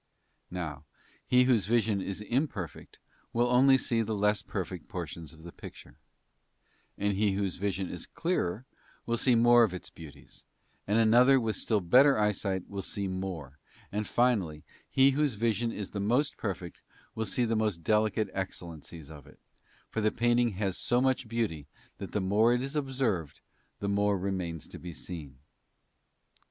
Now, he whose vision is imperfect will see only the less love. An analogy. wy BOOK "i, 70. THE ASCENT OF MOUNT CARMEL. perfect portions of the picture, and he whose vision is clearer will see more of its beauties, and another with still better eyesight will see more, and, finally, he whose vision is the most perfect will see the most delicate excellencies of it, for the painting has so much beauty that the more it is observed the more remains to be seen.